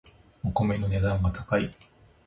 お米の値段が高い